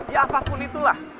ya apapun itulah